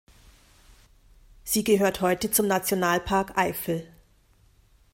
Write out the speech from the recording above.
Sie gehört heute zum Nationalpark Eifel.